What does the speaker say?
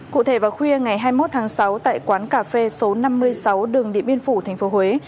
cụ thể vào khuya ngày hai mươi một tháng sáu tại quán cà phê số năm mươi sáu đường điện biên phủ tp huế